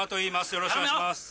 よろしくお願いします。